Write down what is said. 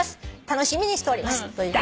楽しみにしております」という。